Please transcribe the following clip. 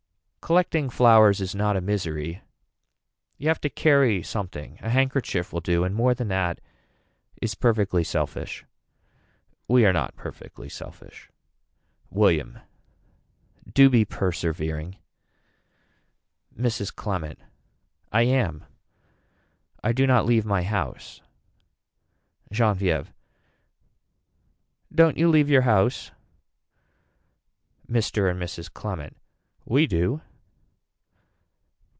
Collecting flowers is not a misery. You have to carry something a handkerchief will do and more than that is perfectly selfish. We are not perfectly selfish. William. Do be persevering. Mrs. Clement. I am. I do not leave my house. Genevieve. Don't you leave your house. Mr. and Mrs. Clement. We do.